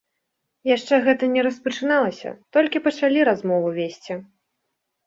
Яшчэ гэта не распачыналася, толькі пачалі размову весці.